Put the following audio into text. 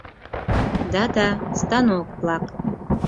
— Да, да, станок-влак.